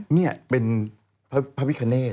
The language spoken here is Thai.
เนี่ยเป็นพระวิคเนศ